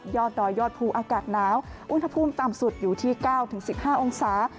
ยอดดอยยอดภูอากาศหนาวอุณหภูมิต่ำสุดอยู่ที่๙๑๕องศา